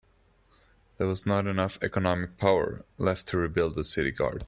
There was not enough economic power left to rebuild the city guards.